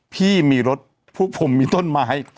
พี่มีรถพวกผมมีต้นไม้